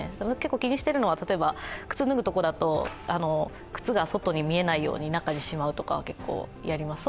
気にしているのは、靴を脱ぐところだと靴が外に見えないように中にしまうとかは結構やります。